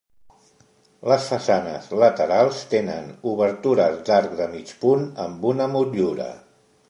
Les façanes laterals tenen obertures d'arc de mig punt amb una motllura.